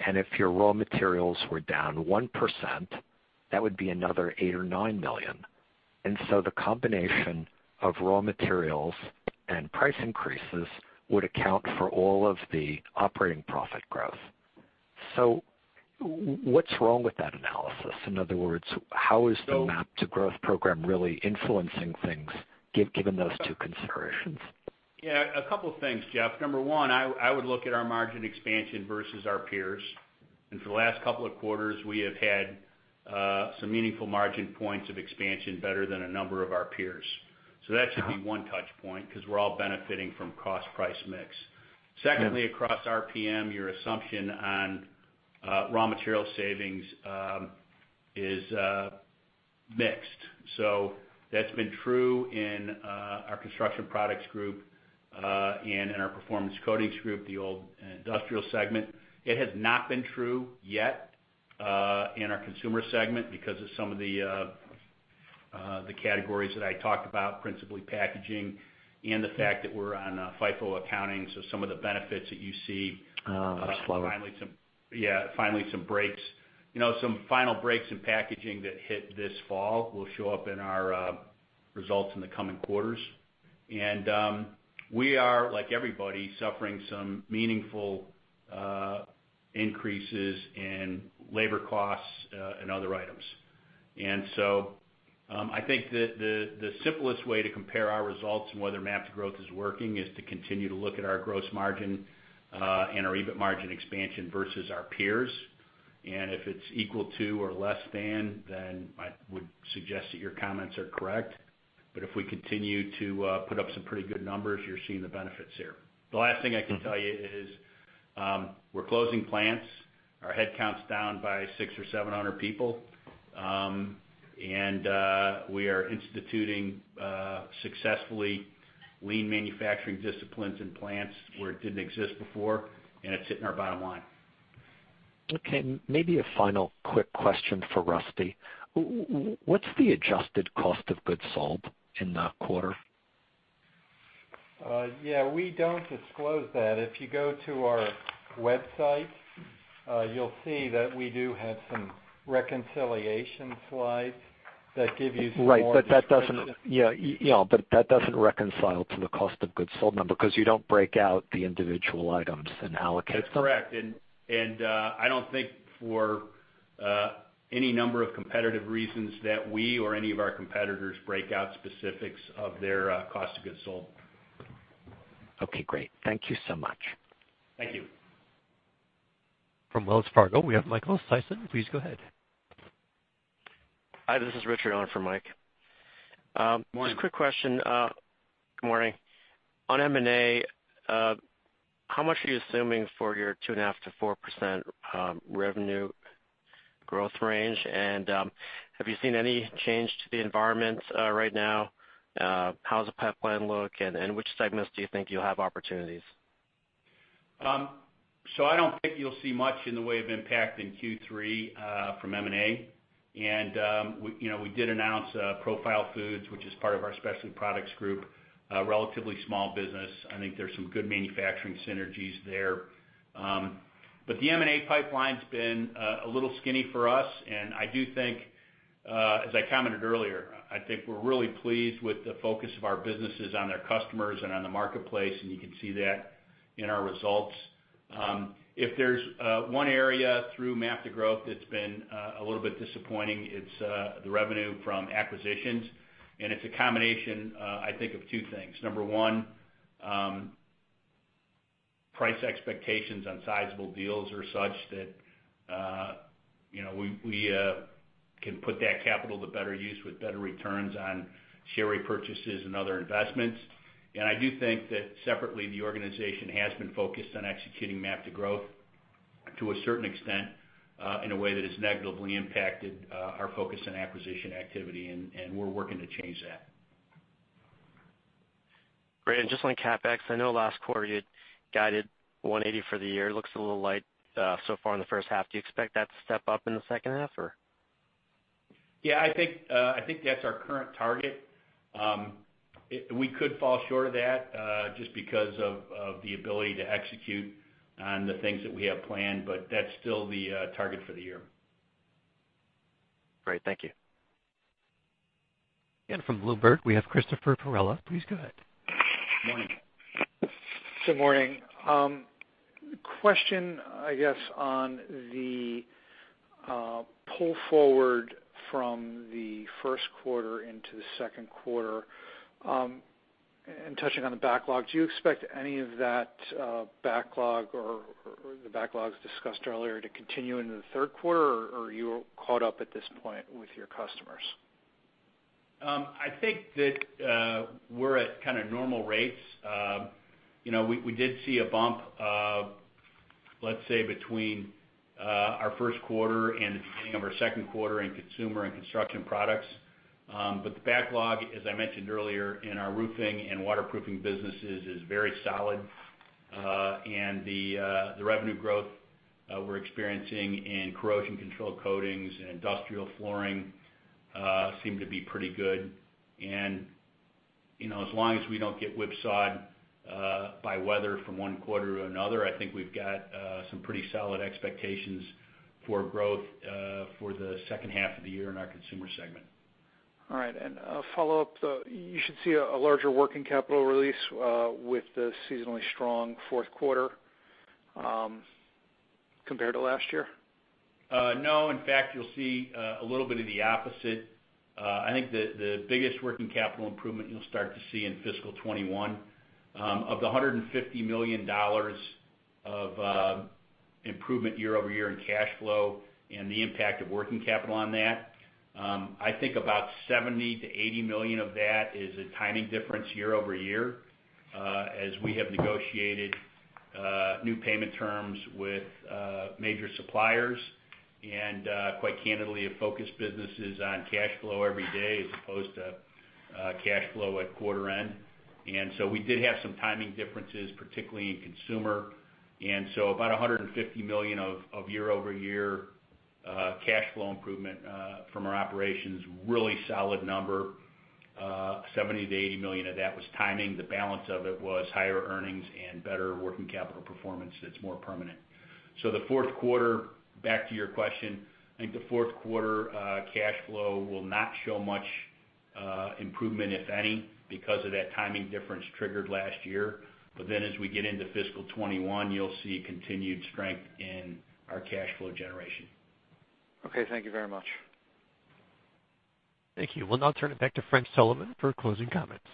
If your raw materials were down 1%, that would be another $8 million or $9 million. The combination of raw materials and price increases would account for all of the operating profit growth. What's wrong with that analysis? In other words, how is the MAP to Growth program really influencing things, given those two considerations? Yeah, a couple of things, Jeff. Number one, I would look at our margin expansion versus our peers. For the last couple of quarters, we have had some meaningful margin points of expansion better than a number of our peers. That should be one touch point because we're all benefiting from cost price mix. Secondly, across RPM, your assumption on raw material savings is mixed. That's been true in our Construction Products Group, and in our Performance Coatings Group, the old industrial segment. It has not been true yet in our Consumer segment because of some of the categories that I talked about, principally packaging and the fact that we're on FIFO accounting, so some of the benefits that you see. Are slower. Finally, some final breaks in packaging that hit this fall will show up in our results in the coming quarters. We are, like everybody, suffering some meaningful increases in labor costs and other items. I think the simplest way to compare our results and whether MAP to Growth is working is to continue to look at our gross margin, and our EBIT margin expansion versus our peers. If it's equal to or less than, then I would suggest that your comments are correct. If we continue to put up some pretty good numbers, you're seeing the benefits here. The last thing I can tell you is we're closing plants. Our head count's down by 600 or 700 people. We are instituting successfully lean manufacturing disciplines in plants where it didn't exist before, and it's hitting our bottom line. Okay, maybe a final quick question for Rusty. What's the adjusted cost of goods sold in the quarter? Yeah, we don't disclose that. If you go to our website, you'll see that we do have some reconciliation slides that give you some more description. Right. That doesn't reconcile to the cost of goods sold number because you don't break out the individual items and allocate them. That's correct. I don't think for any number of competitive reasons that we or any of our competitors break out specifics of their cost of goods sold. Okay, great. Thank you so much. Thank you. From Wells Fargo, we have Michael Sison. Please go ahead. Hi, this is Rich on for Mike. Morning. Just a quick question. Good morning. On M&A, how much are you assuming for your 2.5%-4% revenue growth range? Have you seen any change to the environment right now? How does the pipeline look, and which segments do you think you'll have opportunities? I don't think you'll see much in the way of impact in Q3 from M&A. We did announce Profile Food, which is part of our Specialty Products Group, a relatively small business. I think there's some good manufacturing synergies there. The M&A pipeline's been a little skinny for us, and I do think, as I commented earlier, I think we're really pleased with the focus of our businesses on their customers and on the marketplace, and you can see that in our results. If there's one area through MAP to Growth that's been a little bit disappointing, it's the revenue from acquisitions, and it's a combination, I think, of two things. Number one, price expectations on sizable deals are such that we can put that capital to better use with better returns on share repurchases and other investments. I do think that separately, the organization has been focused on executing MAP to Growth to a certain extent, in a way that has negatively impacted our focus and acquisition activity, and we're working to change that. Great. Just on CapEx, I know last quarter you had guided $180 for the year. Looks a little light so far in the first half. Do you expect that to step up in the second half, or? I think that's our current target. We could fall short of that, just because of the ability to execute on the things that we have planned, but that's still the target for the year. Great. Thank you. From Bloomberg, we have Christopher Perrella. Please go ahead. Morning. Good morning. Question, I guess on the pull forward from the first quarter into the second quarter, and touching on the backlog, do you expect any of that backlog or the backlogs discussed earlier to continue into the third quarter, or are you caught up at this point with your customers? I think that we're at kind of normal rates. We did see a bump of, let's say, between our first quarter and the beginning of our second quarter in Consumer and Construction Products. The backlog, as I mentioned earlier in our roofing and waterproofing businesses, is very solid. The revenue growth we're experiencing in corrosion control coatings and industrial flooring seem to be pretty good. As long as we don't get whipsawed by weather from one quarter to another, I think we've got some pretty solid expectations for growth for the second half of the year in our Consumer segment. All right. A follow-up, though, you should see a larger working capital release with the seasonally strong fourth quarter compared to last year? No. In fact, you'll see a little bit of the opposite. I think the biggest working capital improvement you'll start to see in fiscal 2021. Of the $150 million of improvement year-over-year in cash flow and the impact of working capital on that, I think about $70 million-$80 million of that is a timing difference year-over-year, as we have negotiated new payment terms with major suppliers and quite candidly have focused businesses on cash flow every day as opposed to cash flow at quarter end. We did have some timing differences, particularly in Consumer. About $150 million of year-over-year cash flow improvement from our operations, really solid number. $70 million-$80 million of that was timing. The balance of it was higher earnings and better working capital performance that's more permanent. Back to your question, I think the fourth quarter cash flow will not show much improvement, if any, because of that timing difference triggered last year. As we get into fiscal 2021, you'll see continued strength in our cash flow generation. Okay. Thank you very much. Thank you. We'll now turn it back to Frank Sullivan for closing comments.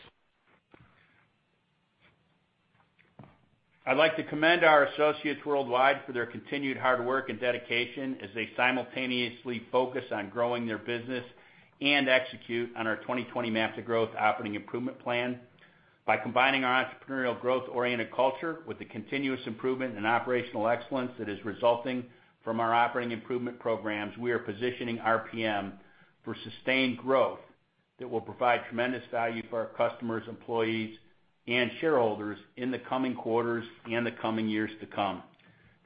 I'd like to commend our associates worldwide for their continued hard work and dedication as they simultaneously focus on growing their business and execute on our 2020 MAP to Growth operating improvement plan. By combining our entrepreneurial growth-oriented culture with the continuous improvement in operational excellence that is resulting from our operating improvement programs, we are positioning RPM for sustained growth that will provide tremendous value for our customers, employees, and shareholders in the coming quarters and the coming years to come.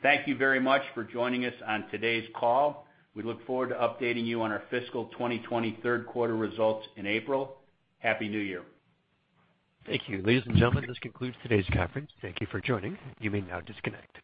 Thank you very much for joining us on today's call. We look forward to updating you on our fiscal 2020 third quarter results in April. Happy New Year. Thank you. Ladies and gentlemen, this concludes today's conference. Thank you for joining. You may now disconnect.